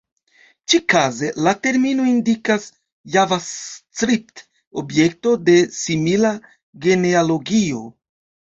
Ĉikaze la termino indikas Javascript-objekto de simila genealogio.